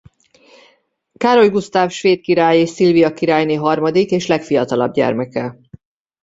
Károly Gusztáv svéd király és Szilvia királyné harmadik és legfiatalabb gyermeke.